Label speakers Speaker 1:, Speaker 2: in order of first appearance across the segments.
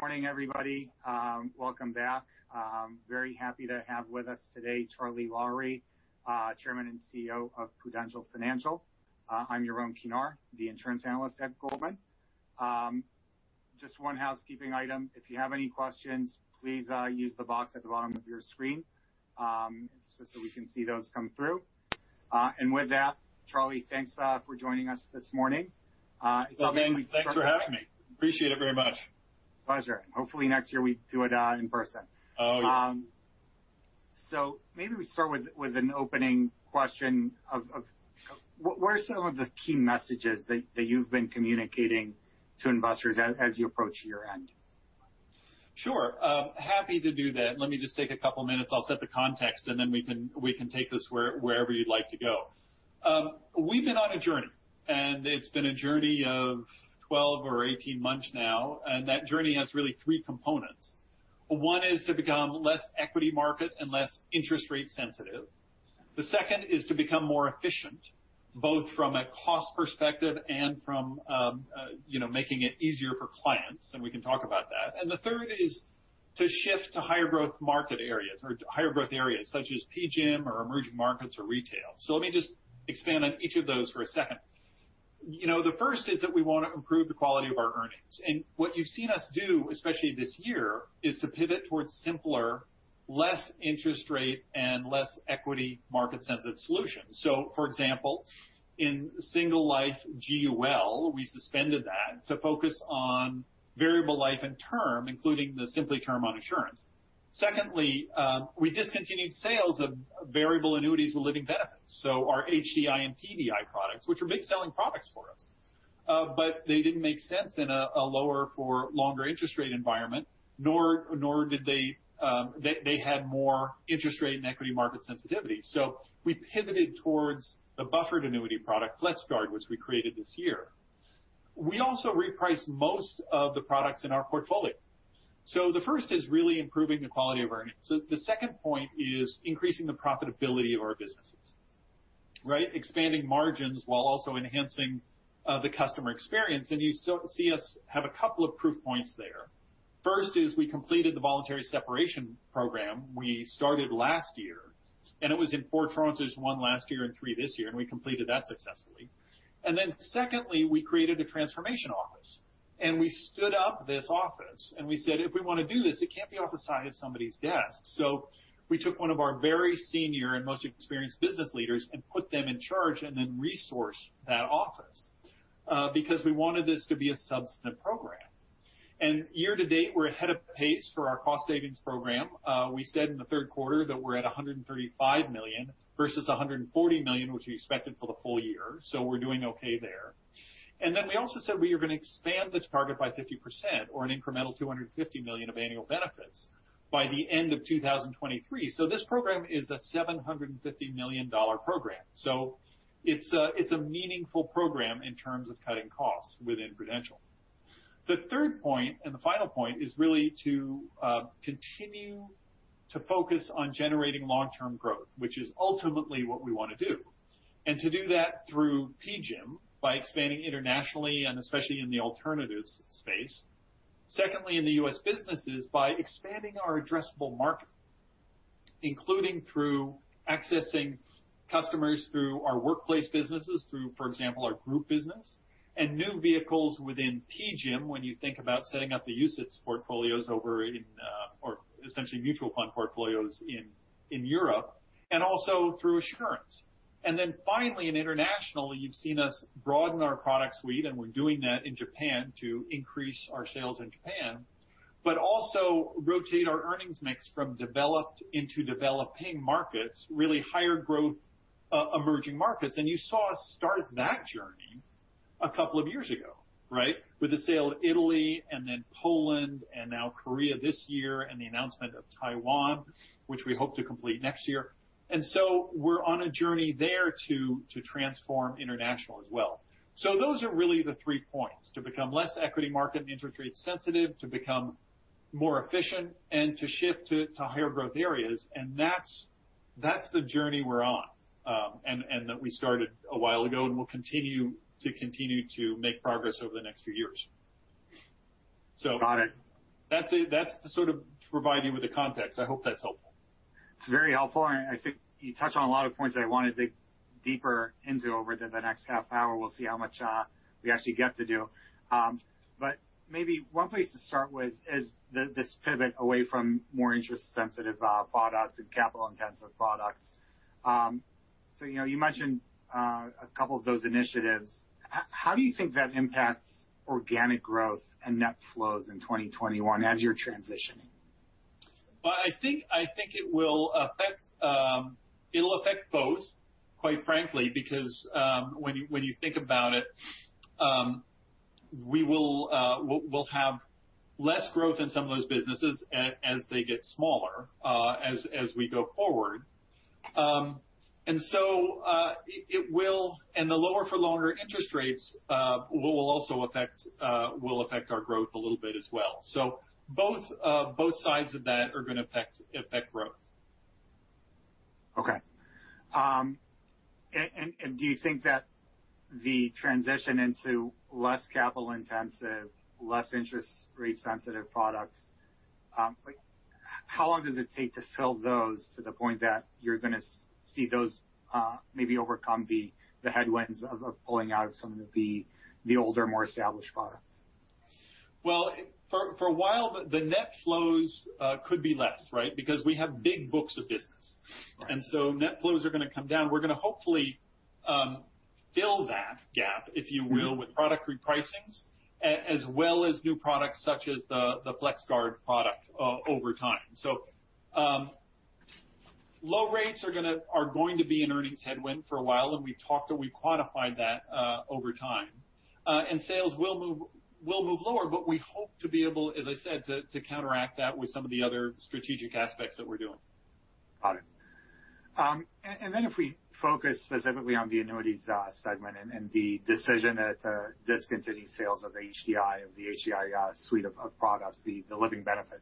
Speaker 1: Morning, everybody. Welcome back. Very happy to have with us today Charlie Lowrey, Chairman and CEO of Prudential Financial. I'm Alex Scott, the insurance analyst at Goldman. Just one housekeeping item. If you have any questions, please use the box at the bottom of your screen, so we can see those come through. With that, Charlie, thanks for joining us this morning.
Speaker 2: Alex, thanks for having me. Appreciate it very much.
Speaker 1: Pleasure. Hopefully next year we do it in person.
Speaker 2: Oh, yeah.
Speaker 1: Maybe we start with an opening question of what are some of the key messages that you've been communicating to investors as you approach your end?
Speaker 2: Sure. Happy to do that. Let me just take a couple of minutes. I'll set the context, and then we can take this wherever you'd like to go. We've been on a journey, and it's been a journey of 12 or 18 months now, and that journey has really three components. One is to become less equity market and less interest rate sensitive. The second is to become more efficient, both from a cost perspective and from making it easier for clients, and we can talk about that. The third is to shift to higher growth market areas or higher growth areas such as PGIM or emerging markets or retail. Let me just expand on each of those for a second. The first is that we want to improve the quality of our earnings. What you've seen us do, especially this year, is to pivot towards simpler, less interest rate, and less equity market-sensitive solutions. For example, in single life GUL, we suspended that to focus on variable life and term, including the SimplyTerm on insurance. Secondly, we discontinued sales of variable annuities with living benefits. Our HDI and Prudential Defined Income products, which were big selling products for us. They didn't make sense in a lower-for-longer interest rate environment, nor did they have more interest rate and equity market sensitivity. We pivoted towards the buffered annuity product, FlexGuard, which we created this year. We also repriced most of the products in our portfolio. The first is really improving the quality of earnings. The second point is increasing the profitability of our businesses. Right? Expanding margins while also enhancing the customer experience. You see us have a couple of proof points there. First is we completed the voluntary separation program we started last year, and it was in four tranches, one last year and three this year, and we completed that successfully. Then secondly, we created a transformation office. We stood up this office and we said, "If we want to do this, it can't be off the side of somebody's desk." We took one of our very senior and most experienced business leaders and put them in charge and then resourced that office, because we wanted this to be a substantive program. Year to date, we're ahead of pace for our cost savings program. We said in the third quarter that we're at $135 million versus $140 million, which we expected for the full year. We're doing okay there. We also said we are going to expand this target by 50% or an incremental $250 million of annual benefits by the end of 2023. This program is a $750 million program. It's a meaningful program in terms of cutting costs within Prudential. The third point and the final point is to continue to focus on generating long-term growth, which is ultimately what we want to do. To do that through PGIM by expanding internationally and especially in the alternatives space. Secondly, in the U.S. businesses, by expanding our addressable market, including through accessing customers through our workplace businesses, through, for example, our group business, and new vehicles within PGIM, when you think about setting up the UCITS portfolios over in, or essentially mutual fund portfolios in Europe, and also through Assurance. Finally, in international, you've seen us broaden our product suite, and we're doing that in Japan to increase our sales in Japan, but also rotate our earnings mix from developed into developing markets, really higher growth, emerging markets. You saw us start that journey a couple of years ago, right? With the sale to Italy and then Poland and now Korea this year and the announcement of Taiwan, which we hope to complete next year. We're on a journey there to transform international as well. Those are the three points: to become less equity market and interest rate sensitive, to become more efficient, and to shift to higher growth areas. That's the journey we're on and that we started a while ago and will continue to make progress over the next few years.
Speaker 1: Got it.
Speaker 2: That's to sort of provide you with the context. I hope that's helpful.
Speaker 1: It's very helpful, I think you touch on a lot of points that I want to dig deeper into over the next half hour. We'll see how much we actually get to do. Maybe one place to start with is this pivot away from more interest-sensitive products and capital-intensive products. You mentioned a couple of those initiatives. How do you think that impacts organic growth and net flows in 2021 as you're transitioning?
Speaker 2: Well, I think it'll affect both, quite frankly, because when you think about it, we'll have less growth in some of those businesses as they get smaller as we go forward. The lower-for-longer interest rates will affect our growth a little bit as well. Both sides of that are going to affect growth.
Speaker 1: Do you think that the transition into less capital intensive, less interest rate sensitive products, how long does it take to fill those to the point that you're going to see those maybe overcome the headwinds of pulling out of some of the older, more established products?
Speaker 2: Well, for a while, the net flows could be less, right? Because we have big books of business.
Speaker 1: Right.
Speaker 2: Net flows are going to come down. We're going to hopefully fill that gap, if you will, with product repricings as well as new products such as the FlexGuard product over time. Low rates are going to be an earnings headwind for a while, and we've quantified that over time. Sales will move lower, but we hope to be able, as I said, to counteract that with some of the other strategic aspects that we're doing.
Speaker 1: Got it. If we focus specifically on the annuities segment and the decision to discontinue sales of HDI, of the HDI suite of products, the living benefit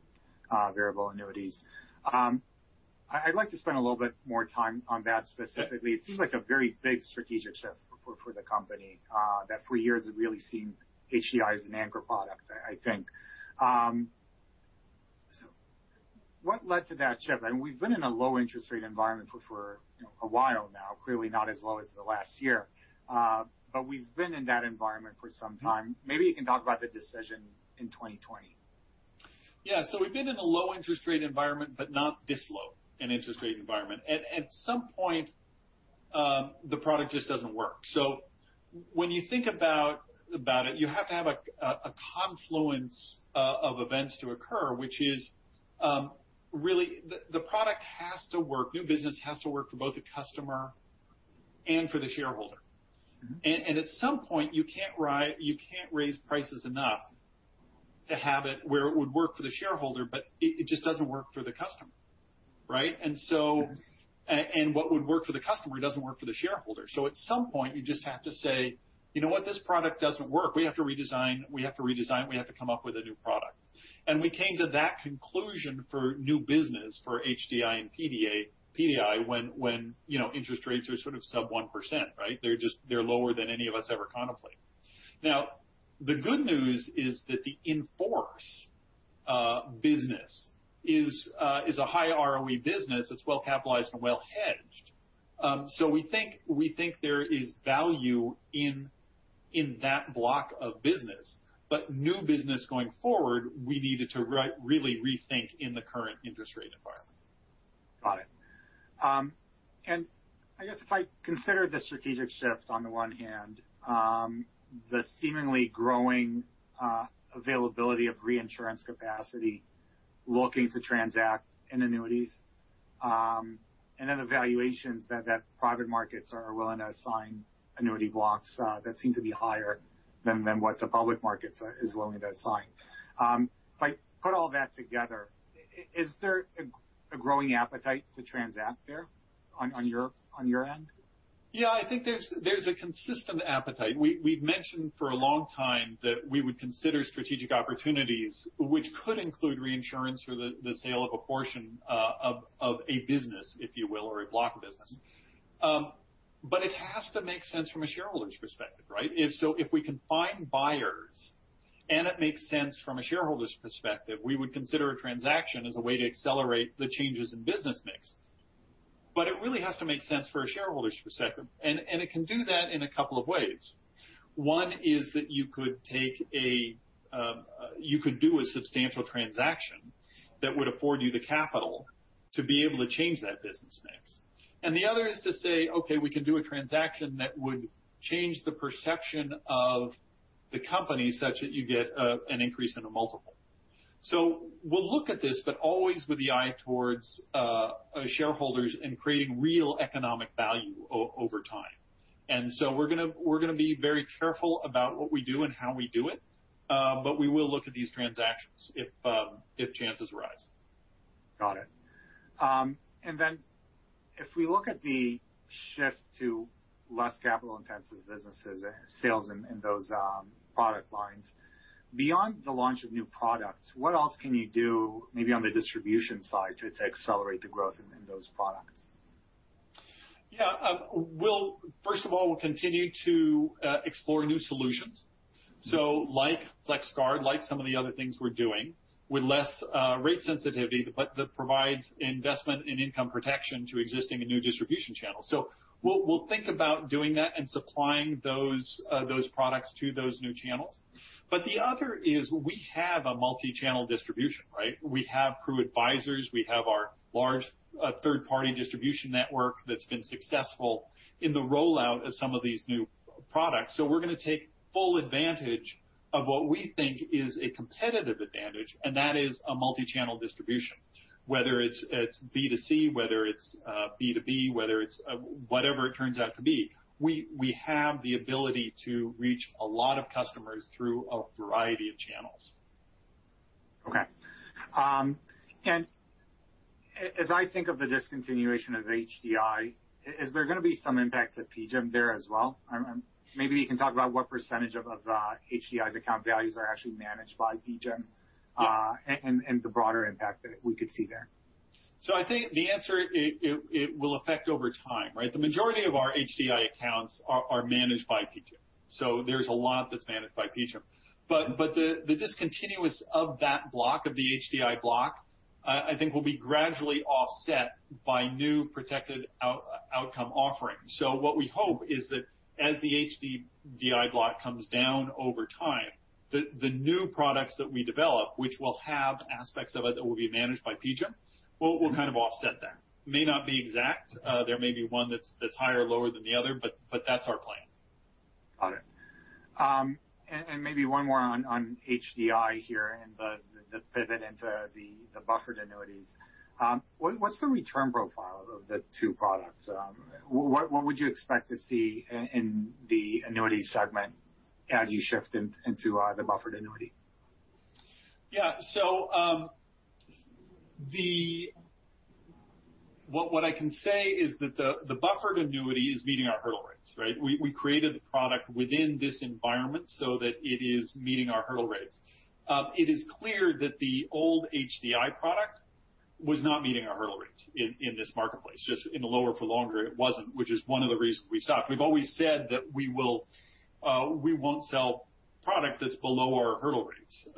Speaker 1: variable annuities. I'd like to spend a little bit more time on that specifically. It seems like a very big strategic shift for the company, that for years has really seen HDI as an anchor product, I think. What led to that shift? I mean, we've been in a low interest rate environment for a while now, clearly not as low as the last year. We've been in that environment for some time. Maybe you can talk about the decision in 2020.
Speaker 2: Yeah. We've been in a low interest rate environment, but not this low an interest rate environment. At some point, the product just doesn't work. When you think about it, you have to have a confluence of events to occur, which is really the product has to work, new business has to work for both the customer and for the shareholder. At some point, you can't raise prices enough to have it where it would work for the shareholder, but it just doesn't work for the customer. Right?
Speaker 1: Yes.
Speaker 2: What would work for the customer doesn't work for the shareholder. At some point, you just have to say, "You know what? This product doesn't work. We have to redesign, we have to come up with a new product." We came to that conclusion for new business for HDI and PDI when interest rates are sort of sub 1%. Right? They're lower than any of us ever contemplated. The good news is that the in-force business is a high ROE business that's well-capitalized and well-hedged. We think there is value in that block of business. New business going forward, we needed to really rethink in the current interest rate environment.
Speaker 1: Got it. I guess if I consider the strategic shift on the one hand, the seemingly growing availability of reinsurance capacity looking to transact in annuities, and then the valuations that private markets are willing to assign annuity blocks that seem to be higher than what the public market is willing to assign. If I put all that together, is there a growing appetite to transact there on your end?
Speaker 2: I think there's a consistent appetite. We've mentioned for a long time that we would consider strategic opportunities which could include reinsurance or the sale of a portion of a business, if you will, or a block of business. It has to make sense from a shareholder's perspective, right? If we can find buyers and it makes sense from a shareholder's perspective, we would consider a transaction as a way to accelerate the changes in business mix. It really has to make sense for a shareholder's perspective, and it can do that in a couple of ways. One is that you could do a substantial transaction that would afford you the capital to be able to change that business mix. The other is to say, okay, we can do a transaction that would change the perception of the company such that you get an increase in a multiple. We'll look at this, but always with the eye towards shareholders and creating real economic value over time. We're going to be very careful about what we do and how we do it. We will look at these transactions if chances arise.
Speaker 1: Got it. If we look at the shift to less capital-intensive businesses and sales in those product lines, beyond the launch of new products, what else can you do, maybe on the distribution side, to accelerate the growth in those products?
Speaker 2: Yeah. First of all, we'll continue to explore new solutions. Like FlexGuard, like some of the other things we're doing with less rate sensitivity, but that provides investment and income protection to existing and new distribution channels. We'll think about doing that and supplying those products to those new channels. The other is we have a multi-channel distribution, right? We have Prudential Advisors. We have our large third-party distribution network that's been successful in the rollout of some of these new products. We're going to take full advantage of what we think is a competitive advantage, and that is a multi-channel distribution, whether it's B2C, whether it's B2B, whatever it turns out to be. We have the ability to reach a lot of customers through a variety of channels.
Speaker 1: Okay. As I think of the discontinuation of HDI, is there going to be some impact to PGIM there as well? Maybe you can talk about what % of HDI's account values are actually managed by PGIM and the broader impact that we could see there.
Speaker 2: I think the answer, it will affect over time, right? The majority of our HDI accounts are managed by PGIM. There's a lot that's managed by PGIM. The discontinuance of that block, of the HDI block, I think will be gradually offset by new protected outcome offerings. What we hope is that as the HDI block comes down over time, the new products that we develop, which will have aspects of it that will be managed by PGIM, will kind of offset that. May not be exact. There may be one that's higher or lower than the other, but that's our plan.
Speaker 1: Got it. Maybe one more on HDI here and the pivot into the buffered annuities. What's the return profile of the two products? What would you expect to see in the annuity segment as you shift into the buffered annuity?
Speaker 2: Yeah. What I can say is that the buffered annuity is meeting our hurdle rates, right? We created the product within this environment so that it is meeting our hurdle rates. It is clear that the old HDI product was not meeting our hurdle rates in this marketplace, just in the lower for longer, it wasn't, which is one of the reasons we stopped. We've always said that we won't sell product that's below our hurdle rates.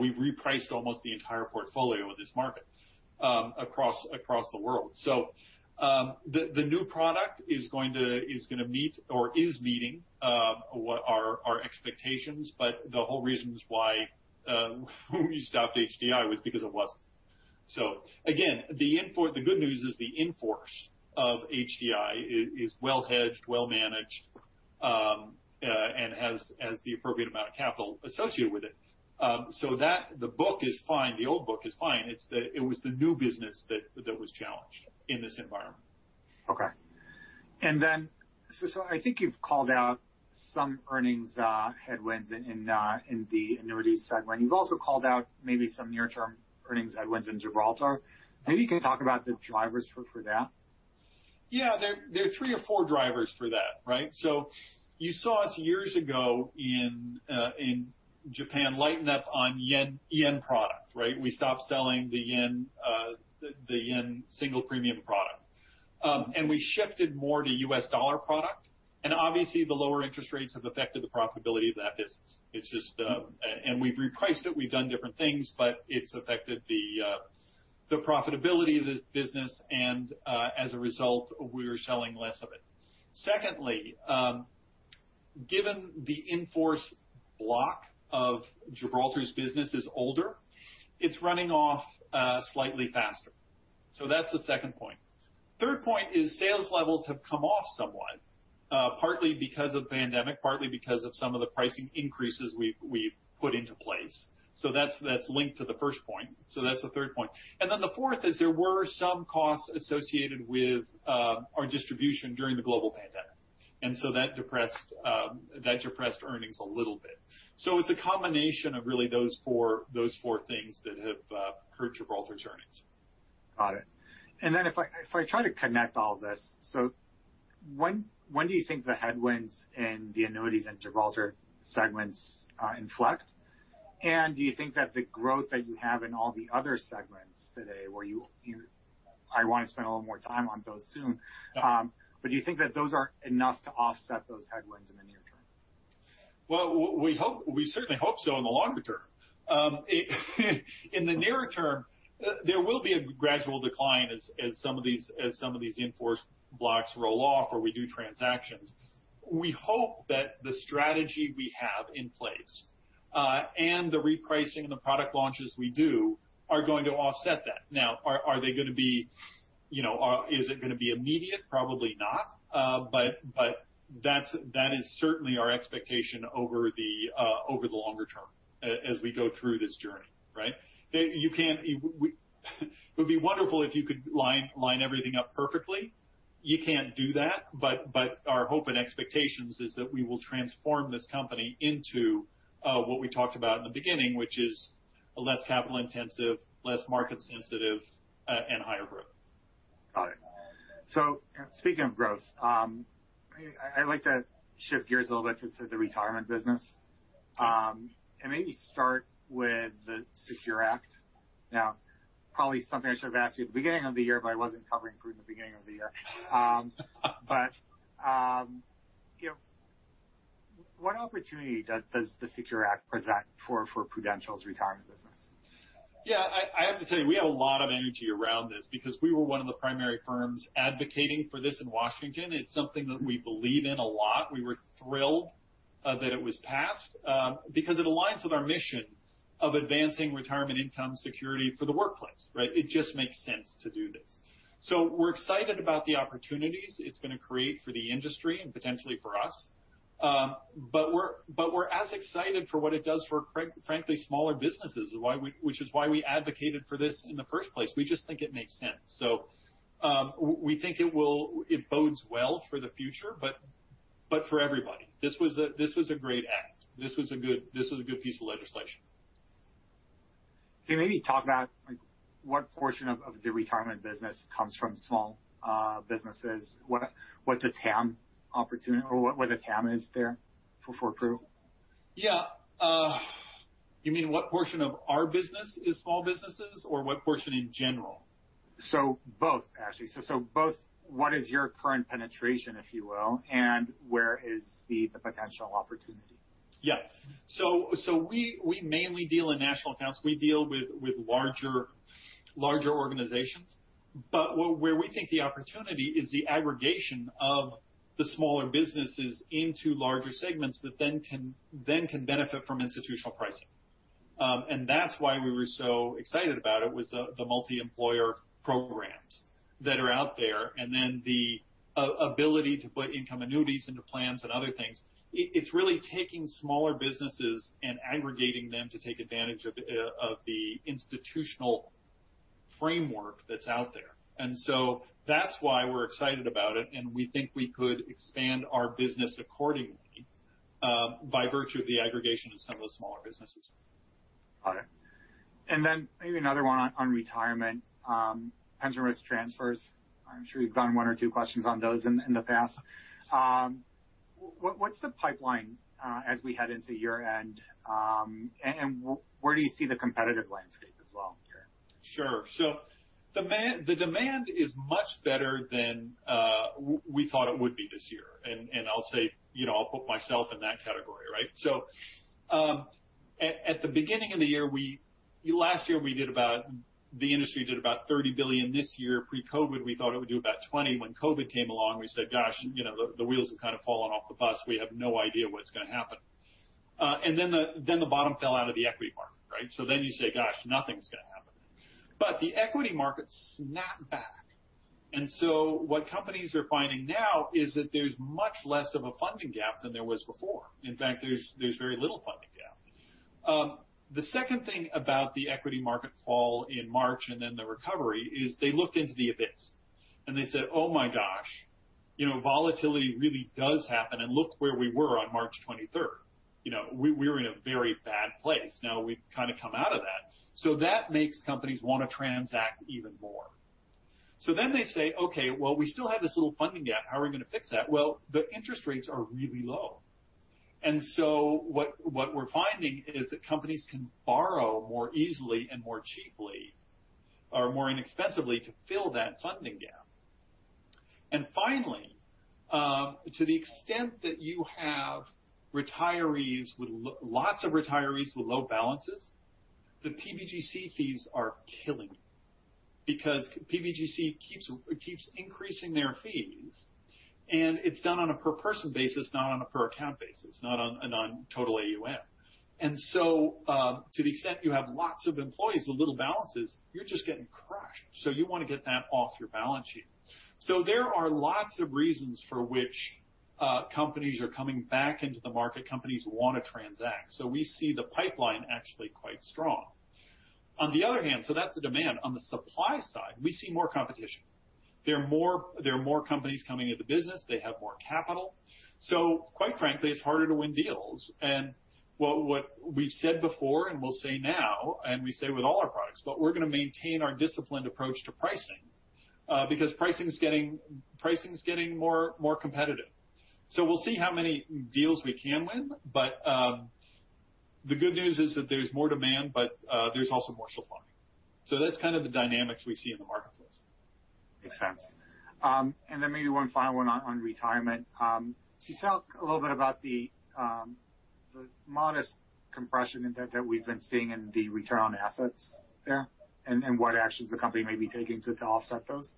Speaker 2: We've repriced almost the entire portfolio in this market, across the world. The new product is going to meet or is meeting our expectations, but the whole reason is why we stopped HDI was because it wasn't. Again, the good news is the in-force of HDI is well hedged, well managed, and has the appropriate amount of capital associated with it. The book is fine, the old book is fine. It was the new business that was challenged in this environment.
Speaker 1: Okay. I think you've called out some earnings headwinds in the annuities segment. You've also called out maybe some near-term earnings headwinds in Gibraltar. Maybe you can talk about the drivers for that.
Speaker 2: Yeah. There are three or four drivers for that, right? You saw us years ago in Japan lighten up on JPY product, right? We stopped selling the JPY single premium product. Obviously the lower interest rates have affected the profitability of that business. We've repriced it, we've done different things, but it's affected the profitability of the business and, as a result, we are selling less of it. Secondly, given the in-force block of Gibraltar's business is older, it's running off slightly faster. That's the second point. Third point is sales levels have come off somewhat, partly because of pandemic, partly because of some of the pricing increases we've put into place. That's linked to the first point. That's the third point. The fourth is there were some costs associated with our distribution during the global pandemic, that depressed earnings a little bit. It's a combination of really those four things that have hurt Gibraltar's earnings.
Speaker 1: Got it. If I try to connect all this, when do you think the headwinds in the annuities and Gibraltar segments inflect? Do you think that the growth that you have in all the other segments today, I want to spend a little more time on those soon.
Speaker 2: Yeah.
Speaker 1: Do you think that those are enough to offset those headwinds in the near term?
Speaker 2: Well, we certainly hope so in the longer term. In the nearer term, there will be a gradual decline as some of these in-force blocks roll off or we do transactions. We hope that the strategy we have in place, and the repricing and the product launches we do are going to offset that. Is it going to be immediate? Probably not. That is certainly our expectation over the longer term as we go through this journey, right? It would be wonderful if you could line everything up perfectly. You can't do that, but our hope and expectations is that we will transform this company into what we talked about in the beginning, which is a less capital-intensive, less market-sensitive, and higher growth.
Speaker 1: Got it. Speaking of growth, I like to shift gears a little bit to the retirement business.
Speaker 2: Sure.
Speaker 1: Maybe start with the SECURE Act. Probably something I should've asked you at the beginning of the year, but I wasn't covering Pru at the beginning of the year. What opportunity does the SECURE Act present for Prudential's retirement business?
Speaker 2: Yeah, I have to tell you, we have a lot of energy around this because we were one of the primary firms advocating for this in Washington. It's something that we believe in a lot. We were thrilled that it was passed, because it aligns with our mission of advancing retirement income security for the workplace, right? It just makes sense to do this. We're excited about the opportunities it's going to create for the industry and potentially for us. We're as excited for what it does for, frankly, smaller businesses, which is why we advocated for this in the first place. We just think it makes sense. We think it bodes well for the future, but for everybody. This was a great act. This was a good piece of legislation.
Speaker 1: Can you maybe talk about what portion of the retirement business comes from small businesses? What the TAM is there for Pru?
Speaker 2: Yeah. You mean what portion of our business is small businesses or what portion in general?
Speaker 1: Both, actually. Both, what is your current penetration, if you will, and where is the potential opportunity?
Speaker 2: Yeah. We mainly deal in national accounts. We deal with larger organizations. Where we think the opportunity is the aggregation of the smaller businesses into larger segments that then can benefit from institutional pricing. That's why we were so excited about it was the multi-employer programs that are out there, and then the ability to put income annuities into plans and other things. It's really taking smaller businesses and aggregating them to take advantage of the institutional framework that's out there. That's why we're excited about it, and we think we could expand our business accordingly, by virtue of the aggregation of some of those smaller businesses.
Speaker 1: Got it. Then maybe another one on retirement, pension risk transfers. I'm sure you've gotten one or two questions on those in the past. What's the pipeline as we head into year-end? Where do you see the competitive landscape as well here?
Speaker 2: Sure. The demand is much better than we thought it would be this year. I'll say, I'll put myself in that category, right? At the beginning of the year, last year, the industry did about $30 billion. This year, pre-COVID, we thought it would do about $20 billion. When COVID came along, we said, "Gosh, the wheels have kind of fallen off the bus. We have no idea what's going to happen." Then the bottom fell out of the equity market, right? Then you say, "Gosh, nothing's going to happen." The equity market snapped back, what companies are finding now is that there's much less of a funding gap than there was before. In fact, there's very little funding gap. The second thing about the equity market fall in March then the recovery is they looked into the abyss and they said, "Oh my gosh. Volatility really does happen." Look where we were on March 23rd. We were in a very bad place. Now we've kind of come out of that. That makes companies want to transact even more. Then they say, "Okay, well, we still have this little funding gap. How are we going to fix that?" Well, the interest rates are really low. What we're finding is that companies can borrow more easily and more cheaply or more inexpensively to fill that funding gap. Finally, to the extent that you have lots of retirees with low balances, the PBGC fees are killing you because PBGC keeps increasing their fees, and it's done on a per person basis, not on a per account basis, not on a total AUM. To the extent you have lots of employees with little balances, you're just getting crushed. You want to get that off your balance sheet. There are lots of reasons for which companies are coming back into the market. Companies want to transact. We see the pipeline actually quite strong. On the other hand, that's the demand. On the supply side, we see more competition. There are more companies coming into the business. They have more capital. Quite frankly, it's harder to win deals. What we've said before and we'll say now, and we say with all our products, but we're going to maintain our disciplined approach to pricing because pricing is getting more competitive. We'll see how many deals we can win. The good news is that there's more demand, but there's also more supply. That's kind of the dynamics we see in the marketplace.
Speaker 1: Makes sense. Then maybe one final one on retirement. Can you talk a little bit about the modest compression that we've been seeing in the Return on Assets there and what actions the company may be taking to offset those?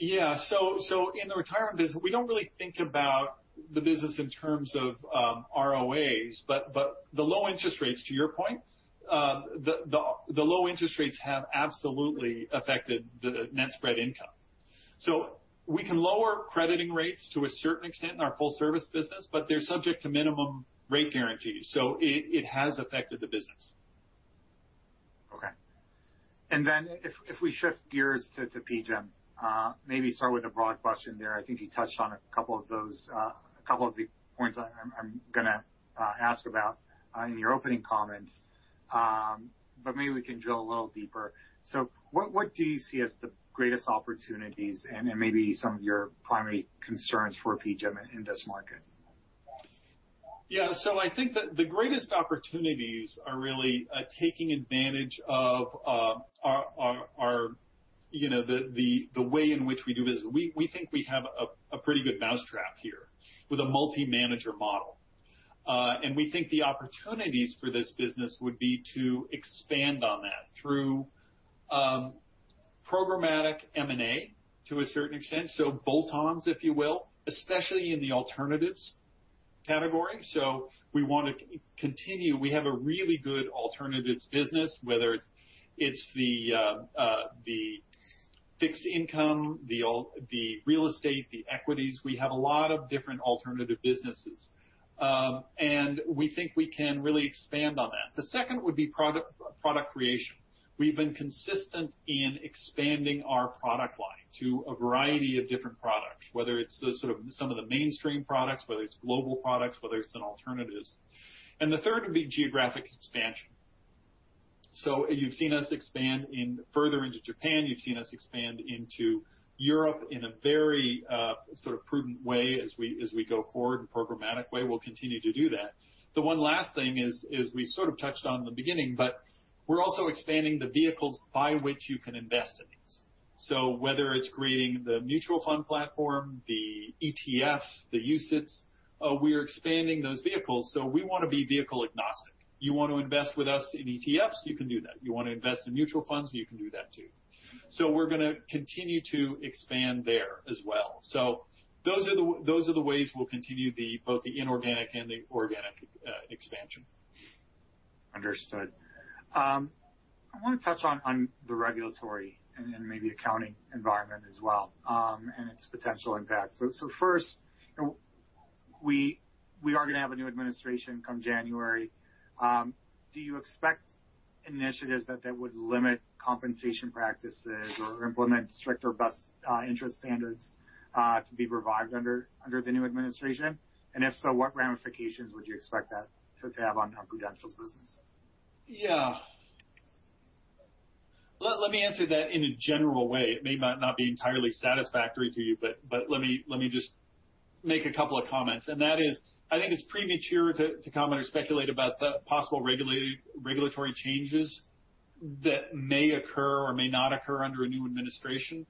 Speaker 2: Yeah. In the retirement business, we don't really think about the business in terms of ROAs, the low interest rates, to your point, have absolutely affected the net spread income. We can lower crediting rates to a certain extent in our full service business, they're subject to minimum rate guarantees. It has affected the business.
Speaker 1: Okay. Then if we shift gears to PGIM, maybe start with a broad question there. I think you touched on a couple of the points I'm going to ask about in your opening comments, maybe we can drill a little deeper. What do you see as the greatest opportunities and maybe some of your primary concerns for PGIM in this market?
Speaker 2: I think that the greatest opportunities are really taking advantage of the way in which we do business. We think we have a pretty good mousetrap here with a multi-manager model. We think the opportunities for this business would be to expand on that through programmatic M&A to a certain extent. Bolt-ons, if you will, especially in the alternatives category. We want to continue. We have a really good alternatives business, whether it's the fixed income, the real estate, the equities. We have a lot of different alternative businesses. We think we can really expand on that. The second would be product creation. We've been consistent in expanding our product line to a variety of different products, whether it's some of the mainstream products, whether it's global products, whether it's in alternatives. The third would be geographic expansion. You've seen us expand further into Japan, you've seen us expand into Europe in a very prudent way as we go forward in a programmatic way. We'll continue to do that. The one last thing is, we sort of touched on in the beginning. We're also expanding the vehicles by which you can invest in these. Whether it's creating the mutual fund platform, the ETF, the UCITS, we're expanding those vehicles. We want to be vehicle agnostic. You want to invest with us in ETFs, you can do that. You want to invest in mutual funds, you can do that too. We're going to continue to expand there as well. Those are the ways we'll continue both the inorganic and the organic expansion.
Speaker 1: Understood. I want to touch on the regulatory and maybe accounting environment as well, and its potential impact. First, we are going to have a new administration come January. Do you expect initiatives that would limit compensation practices or implement stricter best interest standards to be revived under the new administration? If so, what ramifications would you expect that to have on Prudential's business?
Speaker 2: Yeah. Let me answer that in a general way. It may not be entirely satisfactory to you. Let me just make a couple of comments, and that is, I think it's premature to comment or speculate about the possible regulatory changes that may occur or may not occur under a new administration.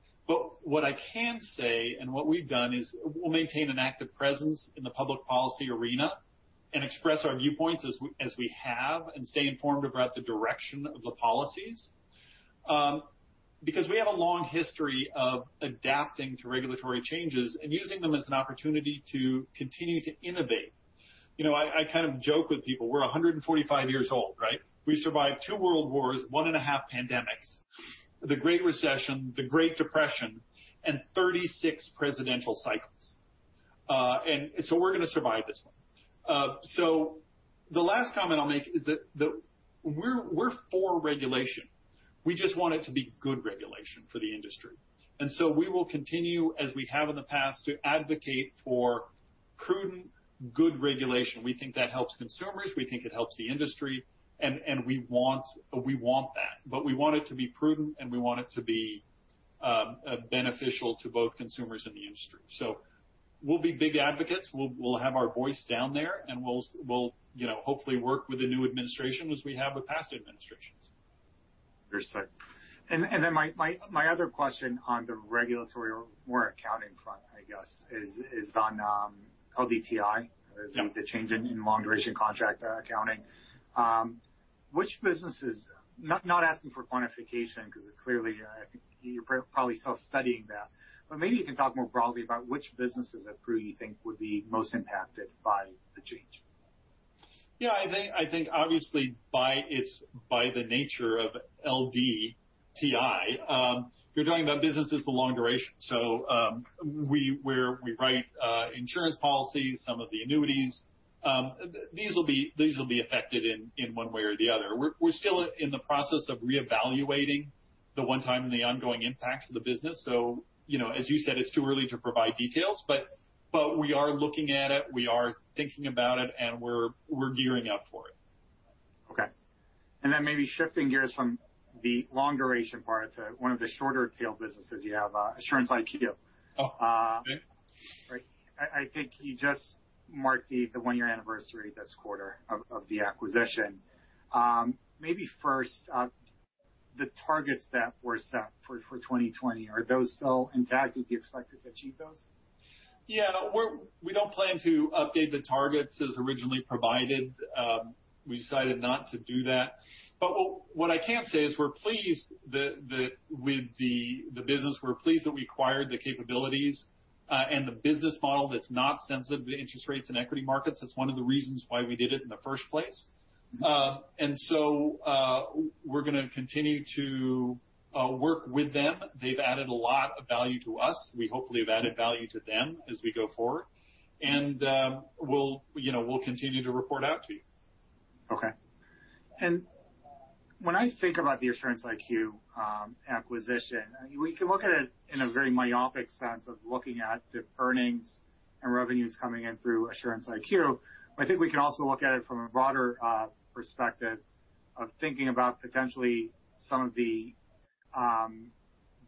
Speaker 2: What I can say, and what we've done is we'll maintain an active presence in the public policy arena and express our viewpoints as we have, and stay informed about the direction of the policies. We have a long history of adapting to regulatory changes and using them as an opportunity to continue to innovate. I kind of joke with people. We're 145 years old, right? We survived two world wars, one and a half pandemics, the Great Recession, the Great Depression, and 36 presidential cycles. We're going to survive this one. The last comment I'll make is that we're for regulation. We just want it to be good regulation for the industry. We will continue, as we have in the past, to advocate for prudent, good regulation. We think that helps consumers, we think it helps the industry, and we want that. We want it to be prudent, and we want it to be beneficial to both consumers and the industry. We'll be big advocates. We'll have our voice down there, and we'll hopefully work with the new administration as we have with past administrations.
Speaker 1: Understood. My other question on the regulatory or more accounting front, I guess, is on LDTI-
Speaker 2: Yeah
Speaker 1: the change in long-duration contract accounting. Which businesses, not asking for quantification because clearly, I think you're probably still studying that, but maybe you can talk more broadly about which businesses at Pru you think would be most impacted by the change?
Speaker 2: Yeah, I think obviously by the nature of LDTI, you're talking about businesses with long duration. Where we write insurance policies, some of the annuities, these will be affected in one way or the other. We're still in the process of reevaluating the one time and the ongoing impacts of the business. As you said, it's too early to provide details, but we are looking at it, we are thinking about it, and we're gearing up for it.
Speaker 1: Okay. Then maybe shifting gears from the long duration part to one of the shorter tail businesses you have, Assurance IQ.
Speaker 2: Oh, okay.
Speaker 1: I think you just marked the one-year anniversary this quarter of the acquisition. Maybe first, the targets that were set for 2020, are those still intact? Do you expect to achieve those?
Speaker 2: Yeah. We don't plan to update the targets as originally provided. We decided not to do that. What I can say is we're pleased with the business, we're pleased that we acquired the capabilities, and the business model that's not sensitive to interest rates and equity markets. That's one of the reasons why we did it in the first place. We're going to continue to work with them. They've added a lot of value to us. We hopefully have added value to them as we go forward. We'll continue to report out to you.
Speaker 1: Okay. When I think about the Assurance IQ acquisition, we can look at it in a very myopic sense of looking at the earnings and revenues coming in through Assurance IQ. I think we can also look at it from a broader perspective of thinking about potentially some of the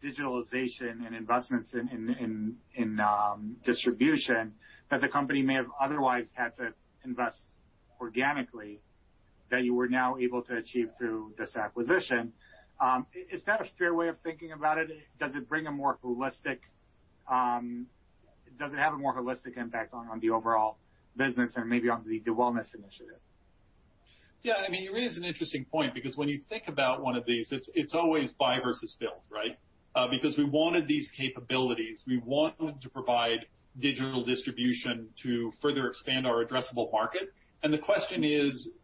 Speaker 1: digitalization and investments in distribution that the company may have otherwise had to invest organically that you were now able to achieve through this acquisition. Is that a fair way of thinking about it? Does it have a more holistic impact on the overall business and maybe on the wellness initiative?
Speaker 2: Yeah, it is an interesting point because when you think about one of these, it's always buy versus build, right? We wanted these capabilities, we wanted to provide digital distribution to further expand our addressable market, and the question is: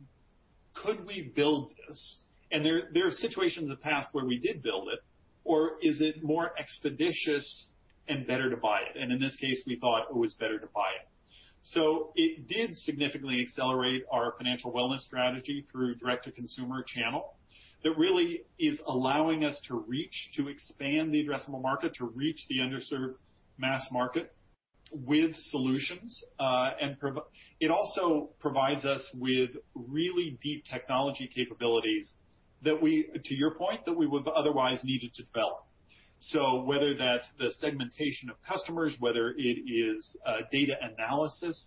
Speaker 2: could we build this? There are situations in the past where we did build it, or is it more expeditious and better to buy it? In this case, we thought it was better to buy it. It did significantly accelerate our financial wellness strategy through direct-to-consumer channel that is allowing us to reach, to expand the addressable market, to reach the underserved mass market with solutions. It also provides us with really deep technology capabilities, to your point, that we would've otherwise needed to develop. Whether that's the segmentation of customers, whether it is data analysis,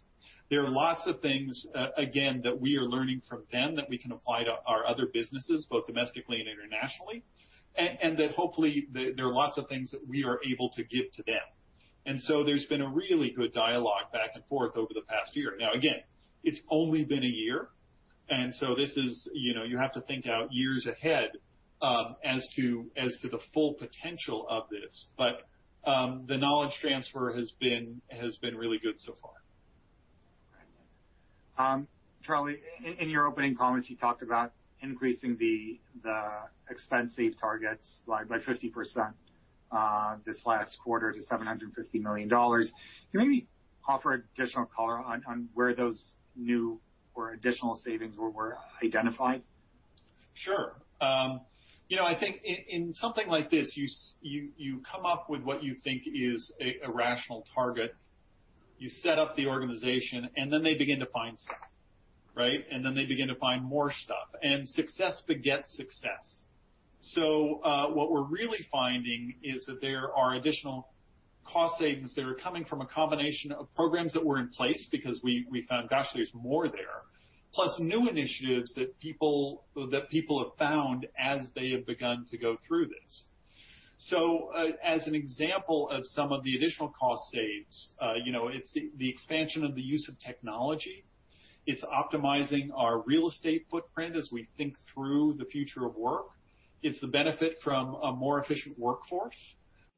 Speaker 2: there are lots of things, again, that we are learning from them that we can apply to our other businesses, both domestically and internationally, that hopefully there are lots of things that we are able to give to them. There's been a really good dialogue back and forth over the past year. Now, again, it's only been a year, you have to think out years ahead as to the full potential of this. The knowledge transfer has been really good so far.
Speaker 1: Right. Charlie, in your opening comments, you talked about increasing the expense save targets by 50% this last quarter to $750 million. Can you maybe offer additional color on where those new or additional savings were identified?
Speaker 2: Sure. I think in something like this, you come up with what you think is a rational target. You set up the organization, then they begin to find stuff, right? Then they begin to find more stuff, and success begets success. What we're really finding is that there are additional cost savings that are coming from a combination of programs that were in place because we found, gosh, there's more there, plus new initiatives that people have found as they have begun to go through this. As an example of some of the additional cost saves, it's the expansion of the use of technology. It's optimizing our real estate footprint as we think through the future of work. It's the benefit from a more efficient workforce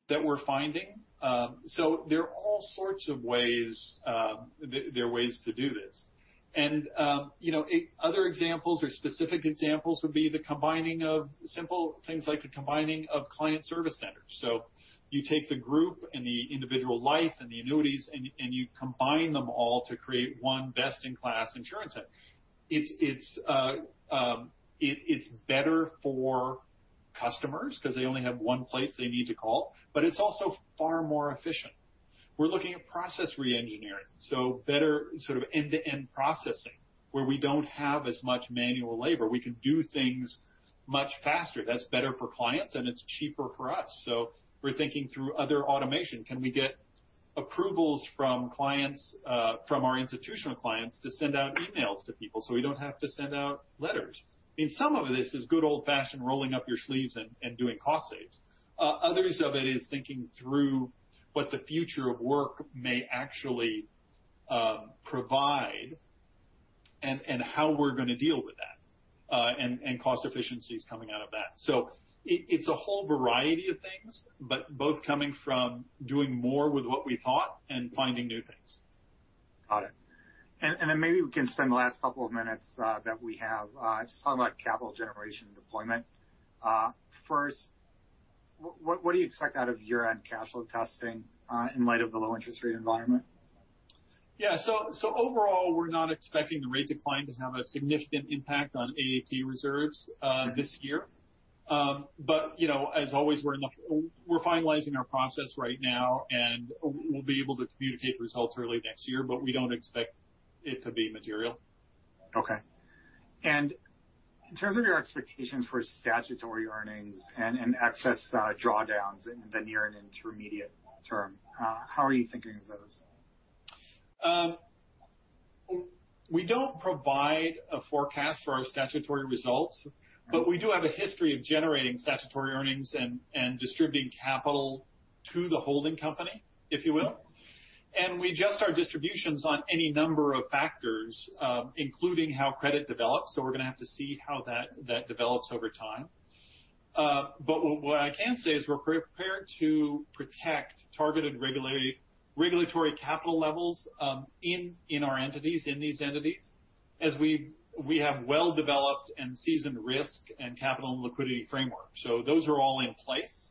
Speaker 2: that we're finding. There are all sorts of ways to do this. Other examples or specific examples would be the combining of simple things like the combining of client service centers. You take the group and the individual life and the annuities, and you combine them all to create one best-in-class insurance center. It's better for customers because they only have one place they need to call, but it's also far more efficient. We're looking at process re-engineering, so better end-to-end processing where we don't have as much manual labor. We can do things much faster. That's better for clients, and it's cheaper for us. We're thinking through other automation. Can we get approvals from our institutional clients to send out emails to people so we don't have to send out letters? Some of this is good old-fashioned rolling up your sleeves and doing cost saves. Others of it is thinking through what the future of work may actually provide and how we're going to deal with that, and cost efficiencies coming out of that. It's a whole variety of things, but both coming from doing more with what we thought and finding new things.
Speaker 1: Got it. Then maybe we can spend the last couple of minutes that we have just talking about capital generation and deployment. First, what do you expect out of year-end cash flow testing in light of the low interest rate environment?
Speaker 2: Yeah. Overall, we're not expecting the rate decline to have a significant impact on AAP reserves this year. As always, we're finalizing our process right now, and we'll be able to communicate the results early next year. We don't expect it to be material.
Speaker 1: Okay. In terms of your expectations for statutory earnings and excess drawdowns in the near and intermediate term, how are you thinking of those?
Speaker 2: We don't provide a forecast for our statutory results, but we do have a history of generating statutory earnings and distributing capital to the holding company, if you will. We adjust our distributions on any number of factors, including how credit develops. We're going to have to see how that develops over time. What I can say is we're prepared to protect targeted regulatory capital levels in these entities, as we have well-developed and seasoned risk and capital and liquidity framework. Those are all in place.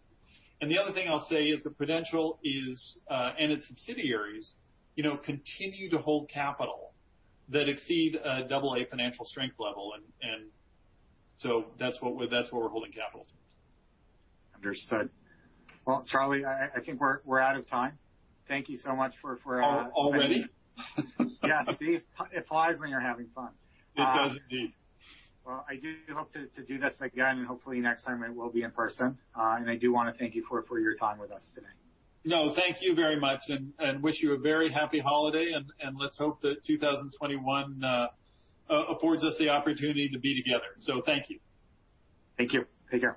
Speaker 2: The other thing I'll say is that Prudential and its subsidiaries continue to hold capital that exceed a double A financial strength level, and so that's where we're holding capital.
Speaker 1: Understood. Well, Charlie, I think we're out of time. Thank you so much for-
Speaker 2: Already?
Speaker 1: Yeah. See, it flies when you're having fun.
Speaker 2: It does indeed.
Speaker 1: Well, I do hope to do this again, hopefully next time it will be in person. I do want to thank you for your time with us today.
Speaker 2: No, thank you very much, wish you a very happy holiday, let's hope that 2021 affords us the opportunity to be together. Thank you.
Speaker 1: Thank you. Take care.